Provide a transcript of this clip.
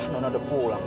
nona udah pulang